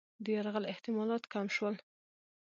د یرغل احتمالات کم شول.